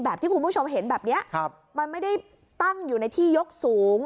ที่คุณผู้ชมเห็นแบบนี้มันไม่ได้ตั้งอยู่ในที่ยกสูง